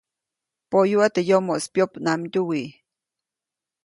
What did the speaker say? Poyuʼa teʼ yomoʼis pyopnamdyuwi.